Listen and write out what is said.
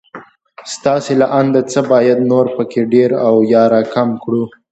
ستاسې له انده څه بايد نور په کې ډېر او يا را کم کړو